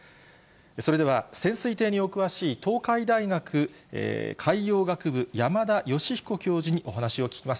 それでは、潜水艇にお詳しい東海大学海洋学部山田吉彦教授にお話を聞きます。